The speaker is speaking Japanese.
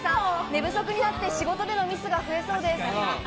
寝不足になって、仕事でのミスが増えそうです。